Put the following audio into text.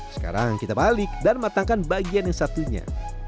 sekarang kita balik dan matangkan bagian yang satunya